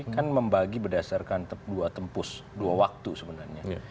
kan membagi berdasarkan dua tempus dua waktu sebenarnya